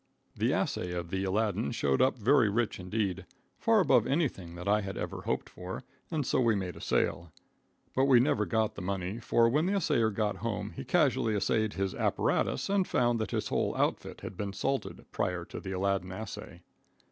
The assay of the Aladdin showed up very rich indeed, far above anything that I had ever hoped for, and so we made a sale. But we never got the money, for when the assayer got home he casually assayed his apparatus and found that his whole outfit had been salted prior to the Aladdin assay.